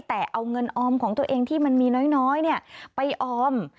แต่เอาเงินออมของตัวเองที่มันมีน้อยไปออม